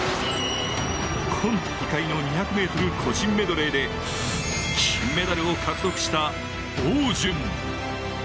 今大会、２００ｍ個人メドレーで金メダルを獲得した、汪順。